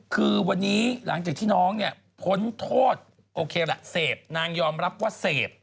คือวันนี้หลังจากที่น้องเนี่ยพ้นโทษโอเคแหละเสพนางยอมรับว่าเสพ